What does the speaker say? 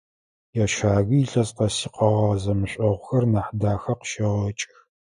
Ящагуи илъэс къэси къэгъэгъэ зэмышъогъухэр Нахьдахэ къыщегъэкӏых.